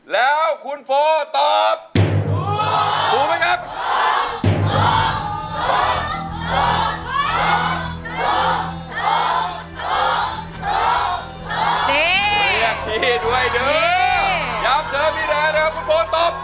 แล้วคุณโฟกับตอบ